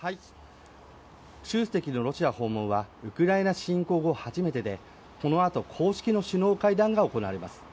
習主席のロシア訪問はウクライナ侵攻後初めてでこのあと公式の首脳会談が行われます。